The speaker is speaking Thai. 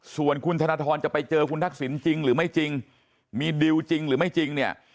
ส่วนคุณธนทรจะไปเจอคุณทักษิณจริงหรือไม่จริงมีดิวจริงหรือไม่จริงเนี่ย